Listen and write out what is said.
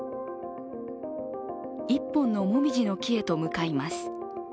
１本のもみじの木へと向かいます。